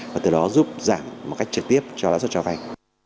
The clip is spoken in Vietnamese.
và từ đó giúp giảm một cách trực tiếp cho lãi suất cho vay